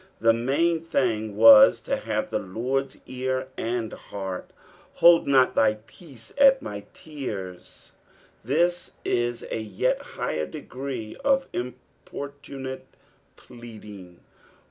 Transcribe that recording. Tlie main thing was to have the Lord's ear and heart. " IMd not thy peaet at my lean." Tbia is a yet higher degree of importunate pleading.